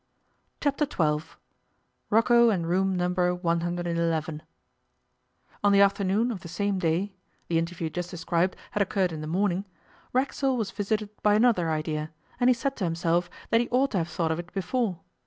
Chapter Twelve ROCCO AND ROOM NO. 111 ON the afternoon of the same day the interview just described had occurred in the morning Racksole was visited by another idea, and he said to himself that he ought to have thought of it before.